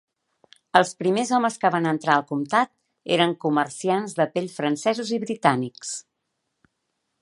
Els primers homes que van entrar al comtat eren comerciants de pell francesos i britànics.